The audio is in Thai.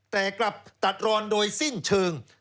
แต่กลับตัดรอนโดยสิ้นเชิง